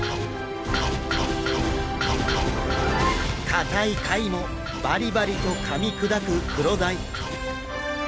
硬い貝もバリバリとかみ砕くクロダイ。